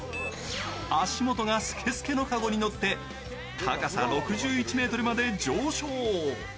足元がスケスケのかごに乗って高さ６１ｍまで上昇。